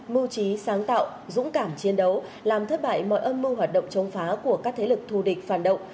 mưu trí sáng tạo dũng cảm chiến đấu làm thất bại mọi âm mưu hoạt động chống phá của các thế lực thù địch phản động